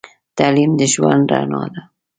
تعليم د ژوند رڼا ده.